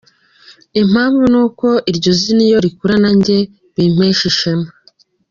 Impamvu ni uko iryo zina iyo rikura nanjye bimpesha ishema.